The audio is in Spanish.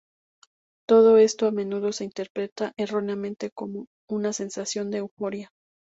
Todo esto, a menudo se interpreta erróneamente como una sensación de "euforia".